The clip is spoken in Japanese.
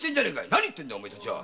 何言ってるんだお前たちは！